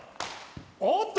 おっと！